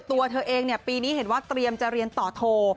ตัวเธอเองปีนี้เห็นว่าเตรียมจะเรียนต่อโท